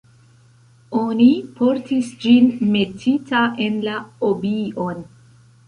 Oni portis ĝin metita en la "obi-on".